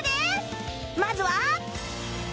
まずは